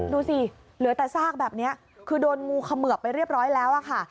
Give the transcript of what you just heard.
ดูสิเหลือแต่ซากแบบนี้คือโดนงูเขมือบไปเรียบร้อยแล้วค่ะ